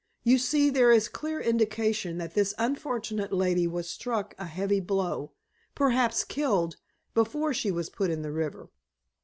You see, there is clear indication that this unfortunate lady was struck a heavy blow, perhaps killed, before she was put in the river."